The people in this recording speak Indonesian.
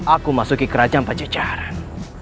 aku masuk ke kerajaan pajajaran